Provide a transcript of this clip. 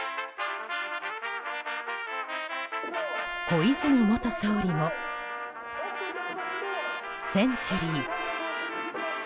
小泉元総理も、センチュリー。